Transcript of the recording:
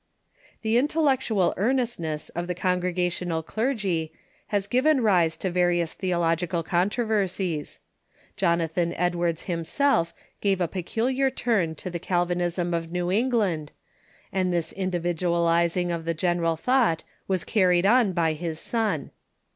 The intellectual earnestness of the Congregational clergy has given rise to various theological controversies. Jonathan Edwards himself gave a peculiar turn to the Calvin Theoiogicai j £ j^^ England, and this individualizing of the Movements "..^ general thought was carried on by his son.